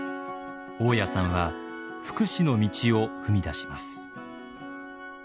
雄谷さんは福祉の道を踏み出します。